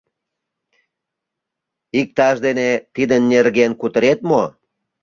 — Иктаж дене тидын нерген кутырет мо?